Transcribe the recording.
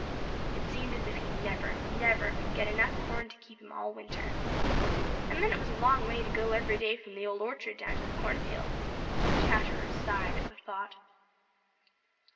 It seemed as if he never, never could get enough corn to keep him all winter. And then it was a long way to go every day from the Old Orchard down to the cornfield. Chatterer sighed at the thought.